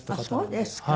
そうですか。